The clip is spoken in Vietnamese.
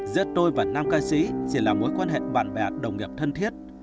giữa tôi và nam ca sĩ chỉ là mối quan hệ bạn bè đồng nghiệp thân thiết